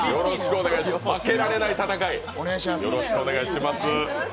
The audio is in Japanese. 負けられない戦い、よろしくお願いします。